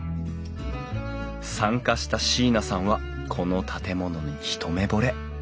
参加した椎名さんはこの建物に一目ぼれ。